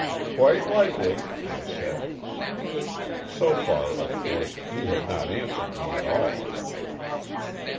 " Quite likely," I said. So far, of course, he had not answered me at all.